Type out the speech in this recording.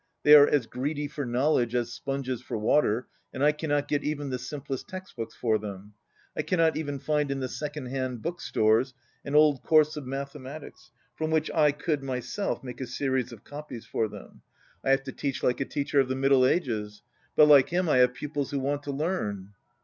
They are as greedy for knowledge as sponges for water, and I cannot get even the simplest text books for them. I cannot even find in the second hand book stores an old Course of Mathematics from which I could myself make a series of copies for them. I have to teach 85 like a teacher of the middle ages. But, like him, I have pupils who want to learn."